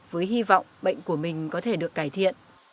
với hy vọng bệnh của mình có thể được cải thiện